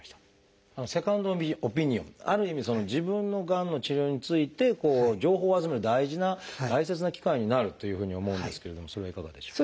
セカンドオピニオンある意味自分のがんの治療について情報を集める大事な大切な機会になるというふうに思うんですけれどもそれはいかがでしょう？